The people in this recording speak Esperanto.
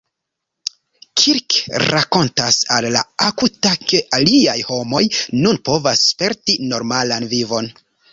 Kirk rakontas al la Akuta, ke liaj homoj nun povos sperti normalan vivon.